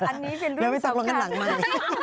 อันนี้เป็นเรื่องสำคัญ